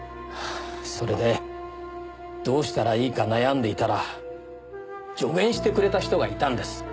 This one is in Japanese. それでどうしたらいいか悩んでいたら助言してくれた人がいたんです。